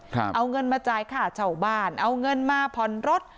ครับเอาเงินมาจ่ายขาดเจ้าบ้านเอาเงินมาพรรดิ